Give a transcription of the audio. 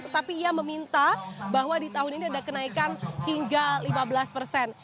tetapi ia meminta bahwa di tahun ini ada kenaikan hingga lima belas persen